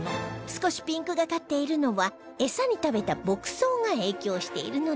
少しピンクがかっているのは餌に食べた牧草が影響しているのだそう